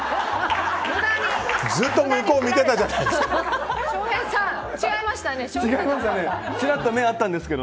ずっと向こう見てたじゃないですか。